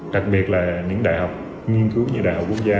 đặc biệt là những đại học nghiên cứu như đại học quốc gia